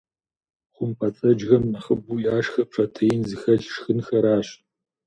ХъумпӀэцӀэджхэм нэхъыбэу яшхыр протеин зыхэлъ шхынхэращ.